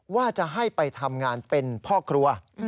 ว่าจะให้ไปทำงานเป็นพ่อครัว